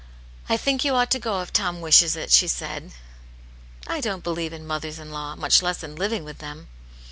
" I think you ought to go if Tom wishes it," she said. " I don't believe in mothers in law, much less in living with them."